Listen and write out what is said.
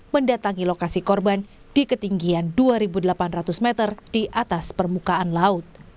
mendatangi lokasi korban di ketinggian dua delapan ratus meter di atas permukaan laut